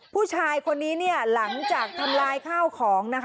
ผู้ชายคนนี้หลังจากทำลายข้าวของ